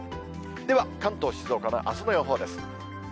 では関東、静岡のあすの予報です。